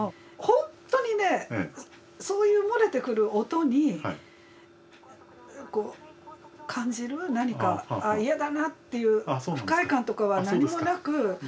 ほんとにねそういう漏れてくる音にこう感じる何か「あ嫌だな」っていう不快感とかは何もなく。